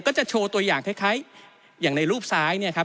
ก็จะโชว์ตัวอย่างคล้ายอย่างในรูปซ้ายเนี่ยครับ